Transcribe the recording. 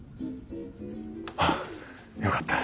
あよかった。